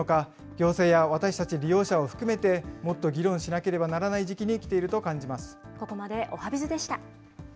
行政や私たち利用者を含めて、もっと議論しなければならない時期に来ていると感じます。